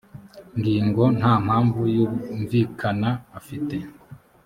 ngingo nta mpamvu yumvikana afite